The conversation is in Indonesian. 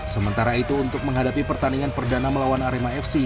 sementara itu untuk menghadapi pertandingan perdana melawan arema fc